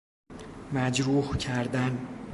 مجروح کردن